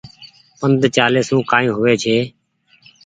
پند چآلي سون ڪآئي هووي ڇي۔